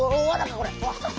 これ。